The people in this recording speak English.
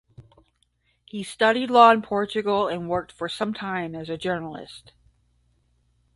He studied law in Portugal and worked for some time as a journalist.